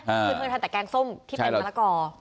คือเธอทานแต่แกงส้มที่เป็นมะละกอ